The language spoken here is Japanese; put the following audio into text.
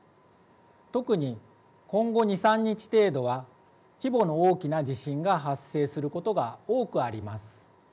特に今後２、３日程度は規模の大きな地震が発生することが多くあります。